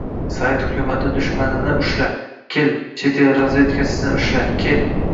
sovet hukumati dushmanini ushla! Kel, chet el razvedkachisini ushla, kel!